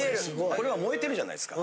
これは燃えてるじゃないですか。